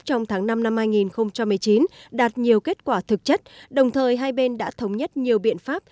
trong tháng năm năm hai nghìn một mươi chín đạt nhiều kết quả thực chất đồng thời hai bên đã thống nhất nhiều biện pháp